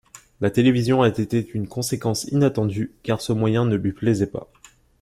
La télévision a été une conséquence inattendue, car ce moyen ne lui plaisait pas.